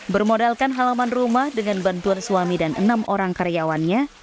bermodalkan halaman rumah dengan bantuan suami dan enam orang karyawannya